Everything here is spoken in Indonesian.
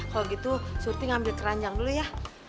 kalau gitu surti ngambil keranjang dulu ya